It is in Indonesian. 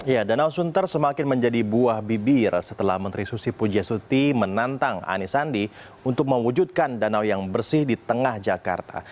ya danau sunter semakin menjadi buah bibir setelah menteri susi pujasuti menantang ani sandi untuk mewujudkan danau yang bersih di tengah jakarta